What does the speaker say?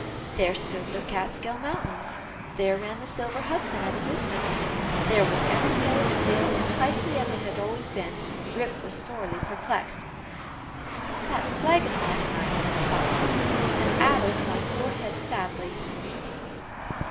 There stood the Kaatskill mountains there ran the silver Hudson at a distance there was every hill and dale precisely as it had always been Rip was sorely perplexed "That flagon last night," thought he, "has addled my poor head sadly!"